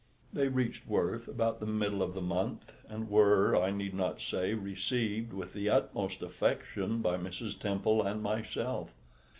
They reached Worth about the middle of the month, and were, I need not say, received with the utmost affection by Mrs. Temple and myself.